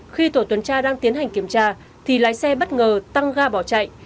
khi tổ tuần tra đang tiến hành kiểm tra thì lái xe bất ngờ tăng ga bỏ chạy